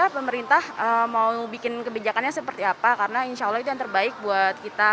pemerintah mau bikin kebijakannya seperti apa karena insya allah itu yang terbaik buat kita